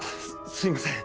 すいません。